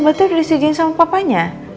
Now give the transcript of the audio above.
berarti udah disediain sama papanya